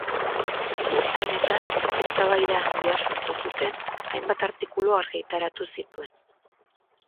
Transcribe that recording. Urte honetan, eztabaida handia sortu zuten hainbat artikulu argitaratu zituen.